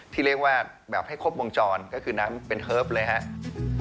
ที่เรียกว่าแบบให้ครบวงจรก็คือน้ำเป็นเทิร์ฟเลยครับ